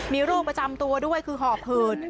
มีโรคประจำตัวด้วยคือหอบหืด